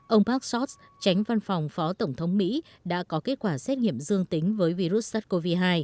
ông park sots tránh văn phòng phó tổng thống mỹ đã có kết quả xét nghiệm dương tính với virus sars cov hai